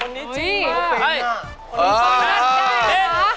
เป็นมาก